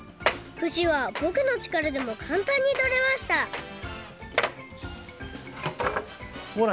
ふしはぼくのちからでもかんたんにとれましたほら